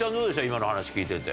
今の話聞いてて。